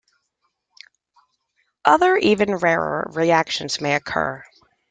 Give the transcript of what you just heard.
Other even-rarer reactions may occur.